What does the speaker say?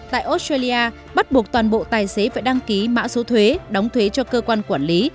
tại australia bắt buộc toàn bộ tài xế phải đăng ký mã số thuế đóng thuế cho cơ quan quản lý